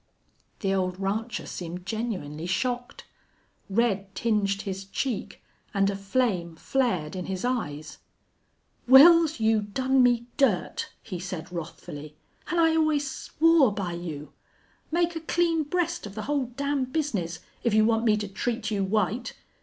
The old rancher seemed genuinely shocked. Red tinged his cheek and a flame flared in his eyes. "Wils, you done me dirt," he said, wrathfully. "An' I always swore by you.... Make a clean breast of the whole damn bizness, if you want me to treat you white.